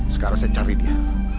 sekarang saya cari dia